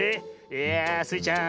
いやあスイちゃん